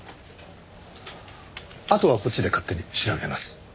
あとはこっちで勝手に調べます。